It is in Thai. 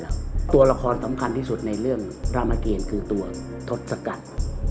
แล้วตัวละครสำคัญที่สุดในเรื่องอลามเกียรตรคือตัวทศกัณฐ์